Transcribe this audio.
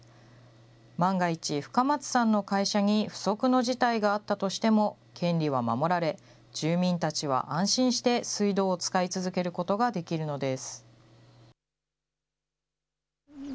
万が一深松さんの会社に不測の事態があったとしても、権利は守られ、住民たちは安心して水道を使い続けることができるのです。